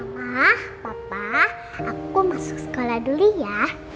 wah papa aku masuk sekolah dulu ya